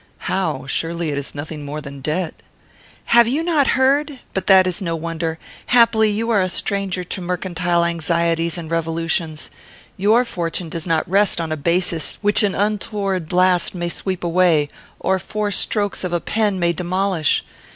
"How? Surely it is nothing more than debt." "Have you not heard? But that is no wonder. Happily you are a stranger to mercantile anxieties and revolutions. Your fortune does not rest on a basis which an untoward blast may sweep away, or four strokes of a pen may demolish.